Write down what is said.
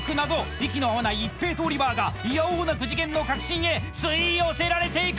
息の合わない一平とオリバーがいやおうなく事件の核心へ吸い寄せられていく！